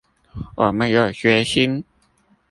我們有決心